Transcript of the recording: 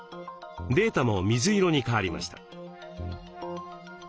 データも水色に変わりました。